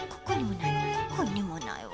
ここにもないわ